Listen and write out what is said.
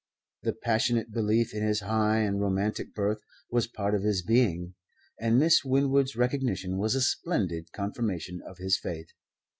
The passionate belief in his high and romantic birth was part of his being, and Miss Winwood's recognition was a splendid confirmation of his faith.